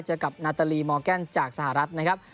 เจอกับนาตาลีมอร์แกนจากสหรัฐนะครับ